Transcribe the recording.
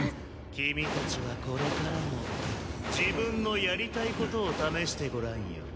君たちはこれからも自分のやりたいことを試してごらんよ。